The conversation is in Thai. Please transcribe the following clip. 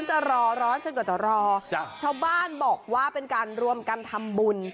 ของชะบ้านบอกว่าเป็นการรวมการทำบุญ